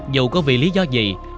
dù có vì lý do gì